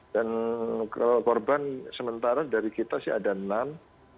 dan korban sementara dari kita sih ada enam